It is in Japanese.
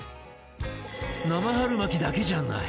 生春巻きだけじゃない！